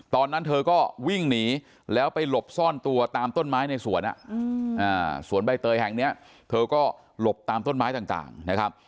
ตอนนั้นเธอก็วิ่งหนีแล้วไปหลบซ่อนตัวตามต้นไม้ในสวนสวนใบเตยแห่งนี้เธอก็หลบตามต้นไม้ต่างนะครับ